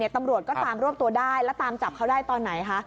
ตำรวจก็ตามรวบตัวได้แล้วตามจับเขาได้ตอนไหนคะ